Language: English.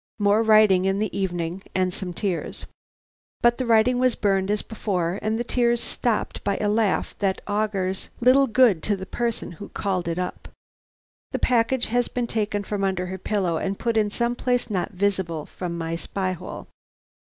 More writing in the evening and some tears. But the writing was burned as before, and the tears stopped by a laugh that augurs little good to the person who called it up. The package has been taken from under her pillow and put in some place not visible from my spy hole.